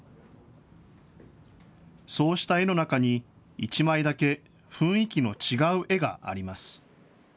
そうした絵の中に、１枚だけ雰囲気の違う絵があります。